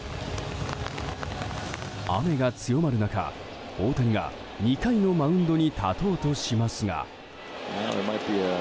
雨が強まる中、大谷が２回のマウンドに立とうとしますが。